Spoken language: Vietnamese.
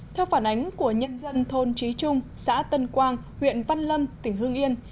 theo phản ánh của nhân dân thôn trí trung xã tân quang huyện văn lâm tỉnh hương yên